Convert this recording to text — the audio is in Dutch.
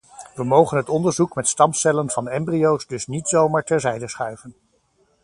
We mogen het onderzoek met stamcellen van embryo's dus niet zomaar terzijde schuiven.